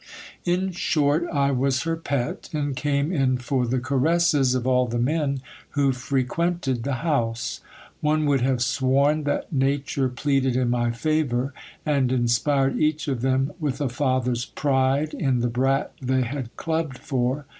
In short, I was her pet, and came in for the caresses of all the men who frequented the house. One would have sworn that nature pleaded in my favour, and inspired each of them with a father's pride in the brat they had clubbed for.